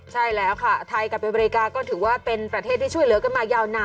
ใช่แล้วค่ะไทยกับอเมริกาก็ถือว่าเป็นประเทศที่ช่วยเหลือกันมายาวนาน